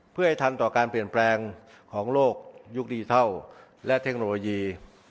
เพื่อให้ทันต่อการเปลี่ยนแปลงของโลกยุคดิทัลและเทคโนโลยี